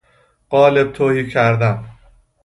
قالب تهی کردن